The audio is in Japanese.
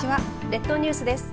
列島ニュースです。